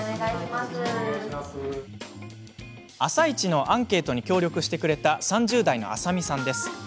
「あさイチ」のアンケートに協力してくれた３０代の、あさみさんです。